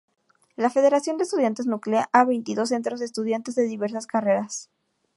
La Federación de Estudiantes nuclea a veintidós Centros de Estudiantes de diversas carreras.